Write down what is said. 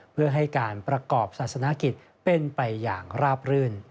เพื่อให้การประกอบศาสนกิจเป็นไปอย่างราบรื่น